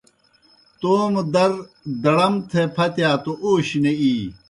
توموْ در دَڑَم تھے پھتِیا توْ اوشیْ نہ اِی۔